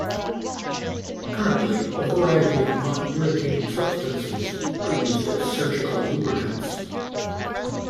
Currently a variety of non-irritating substances are used as surgical lubricants.